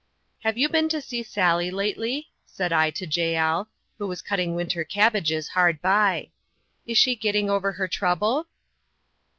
"Have you been to see Sally lately?" said I, to Jael, who was cutting winter cabbages hard by; "is she getting over her trouble?"